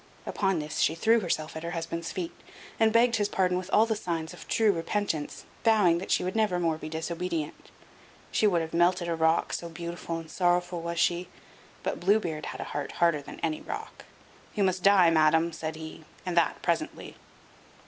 Upon this she threw herself at her husband's feet, and begged his pardon with all the signs of true repentance, vowing that she would never more be disobedient. She would have melted a rock, so beautiful and sorrowful was she; but Blue Beard had a heart harder than any rock! "You must die, madam," said he, "and that presently."